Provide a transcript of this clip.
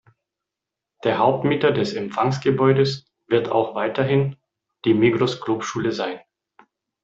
Der Hauptmieter des Empfangsgebäudes wird auch weiterhin die Migros-Klubschule sein.